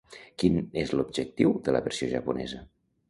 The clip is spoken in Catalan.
Quin és l'objectiu de la versió japonesa?